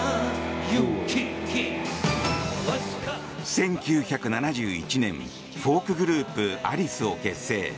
１９７１年、フォークグループアリスを結成。